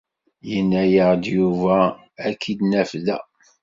Yenna-yaɣ-d Yuba ad k-id-naf da.